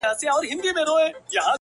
o دغه انسان بېشرفي په شرافت کوي؛